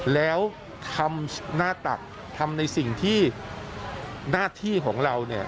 แล้วทำหน้าตักทำในสิ่งที่หน้าที่ของเราเนี่ย